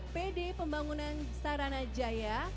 pt pembangunan sarana jaya